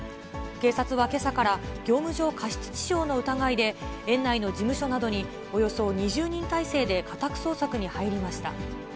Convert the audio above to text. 警察はけさから、業務上過失致傷の疑いで、園内の事務所などに、およそ２０人態勢で家宅捜索に入りました。